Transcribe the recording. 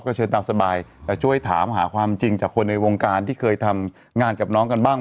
เชิญตามสบายแต่ช่วยถามหาความจริงจากคนในวงการที่เคยทำงานกับน้องกันบ้าง